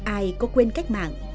ai có quên cách mạng